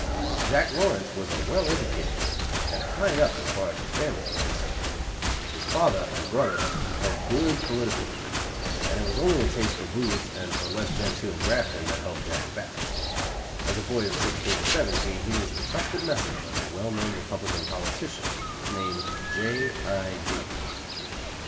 Jack Lawrence was a well educated boy, and high up as far as his family was concerned. His father and brothers held good political positions, and it was only a taste for booze and for less genteel grafting that held Jack back. As a boy of sixteen or seventeen he was the trusted messenger of a well known Republican politician, named J. I.